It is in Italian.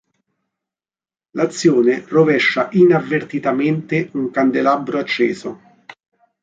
L'azione rovescia inavvertitamente un candelabro acceso.